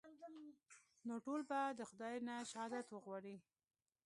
نو ټول به د خداى نه شهادت وغواړئ.